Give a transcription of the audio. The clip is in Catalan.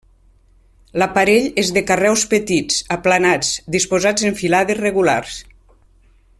L'aparell és de carreus petits, aplanats, disposats en filades regulars.